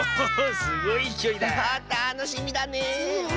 たのしみだねえ！